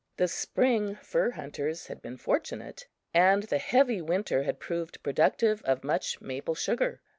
The spring fur hunters had been fortunate, and the heavy winter had proved productive of much maple sugar.